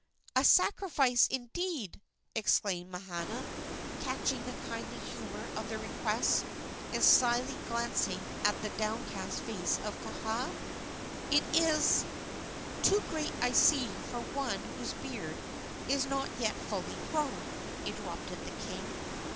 "A sacrifice, indeed!" exclaimed Mahana, catching the kindly humor of the request, and slyly glancing at the downcast face of Kaha. "It is " "Too great, I see, for one whose beard is not yet fully grown," interrupted the king.